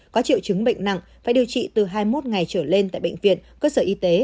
có triệu chứng bệnh nặng phải điều trị từ hai mươi một ngày trở lên tại bệnh viện cơ sở y tế